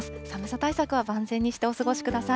対策は万全にしてお過ごしください。